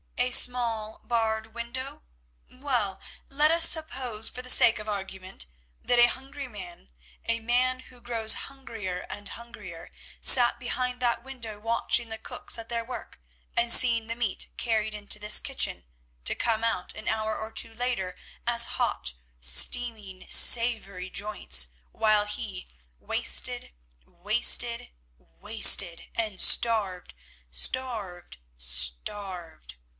A small barred window? Well, let us suppose, for the sake of argument, that a hungry man, a man who grows hungrier and hungrier, sat behind that window watching the cooks at their work and seeing the meat carried into this kitchen, to come out an hour or two later as hot, steaming, savoury joints, while he wasted, wasted, wasted and starved, starved, starved.